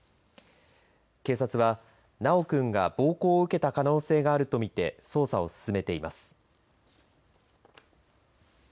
警察は修くんが暴行を受けた可能性があると見て捜査を進めています。